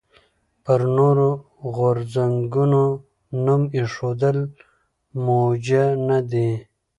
پر نورو غورځنګونو نوم ایښودل موجه نه دي.